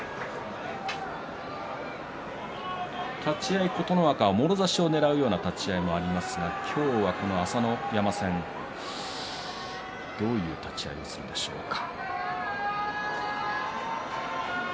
立ち合い、琴ノ若はもろ差しをねらうような立ち合いもありますが今日は朝乃山戦どういう立ち合いをするでしょうか。